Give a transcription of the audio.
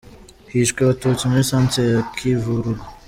Hishwe Abatutsi muri Centre ya Kivuruga.